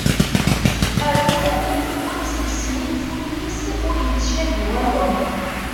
Rnu yiwen seg yisnulfuyen-is ur yettcabi wayeḍ.